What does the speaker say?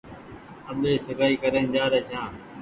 آٻي سگآئي ڪرين جآ ري ڇآن۔